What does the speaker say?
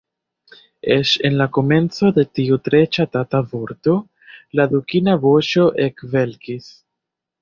Eĉ en la komenco de tiu tre ŝatata vorto, la dukina voĉo ekvelkis.